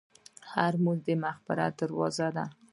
هره لمونځ د مغفرت دروازه ده.